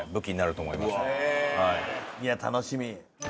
いや楽しみ。